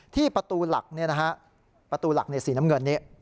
ที่ประตูหลักประตูหลักในสีน้ำเงินนี้